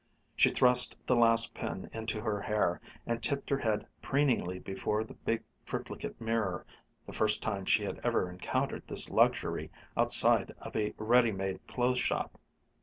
She thrust the last pin into her hair and tipped her head preeningly before the big triplicate mirror the first time she had ever encountered this luxury outside of a ready made clothes shop.